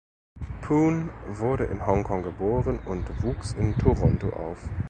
Poon wurde in Hongkong geboren und wuchs in Toronto auf.